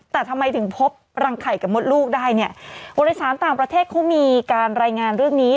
แต่ทำไมถึงพบรังไข่กับมดลูกได้เนี่ยบริษัทต่างประเทศเขามีการรายงานเรื่องนี้